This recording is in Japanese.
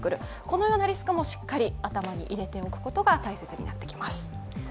このようなリスクもしっかり頭に入れておくことが大切になってきます。